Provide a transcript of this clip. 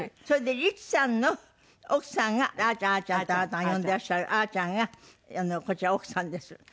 それで率さんの奥さんがあーちゃんあーちゃんってあなたが呼んでらっしゃるあーちゃんがこちら奥さんです。